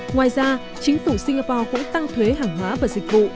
ngoài ra chính phủ singapore cũng tăng thuế hàng hóa và dịch vụ